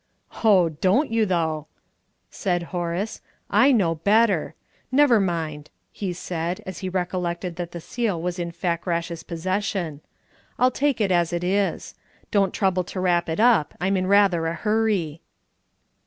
"Oh, don't you, though?" said Horace. "I know better. Never mind," he said, as he recollected that the seal was in Fakrash's possession. "I'll take it as it is. Don't trouble to wrap it up. I'm in rather a hurry."